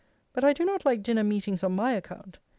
But I do not like Dinner Meetings on my account.